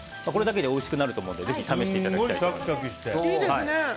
これだけでおいしくなると思うのでぜひ試していただいて。